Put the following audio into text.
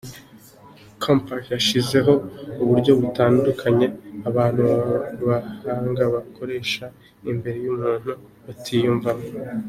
com, Patel yashyizeho uburyo butandukanye abantu b’abahanga bakoresha imbere y’umuntu batiyumvamo.